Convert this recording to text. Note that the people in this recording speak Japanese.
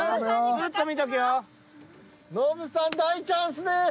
ノブさん大チャンスです。